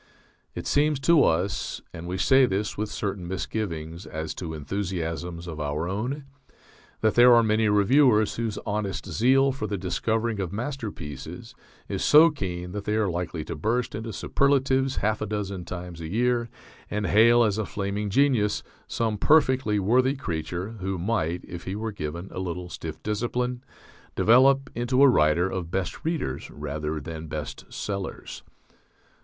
It seems to us (and we say this with certain misgivings as to enthusiasms of our own) that there are many reviewers whose honest zeal for the discovering of masterpieces is so keen that they are likely to burst into superlatives half a dozen times a year and hail as a flaming genius some perfectly worthy creature, who might, if he were given a little stiff discipline, develop into a writer of best readers rather than best sellers.